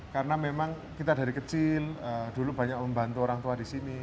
karena memang kita dari kecil dulu banyak membantu orang tua di sini